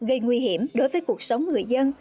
gây nguy hiểm đối với cuộc sống người dân